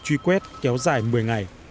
các máy quét kéo dài một mươi ngày